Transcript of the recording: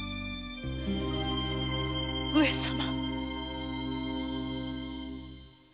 上様。